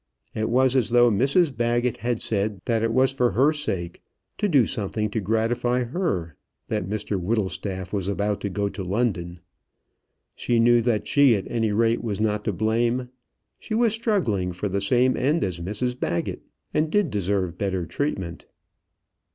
It was as though Mrs Baggett had said that it was for her sake, to do something to gratify her, that Mr Whittlestaff was about to go to London. She knew that she at any rate was not to blame. She was struggling for the same end as Mrs Baggett, and did deserve better treatment.